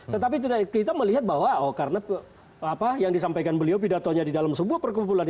tetapi kita melihat bahwa karena yang disampaikan beliau tidak hanya di dalam sebuah perkumpulan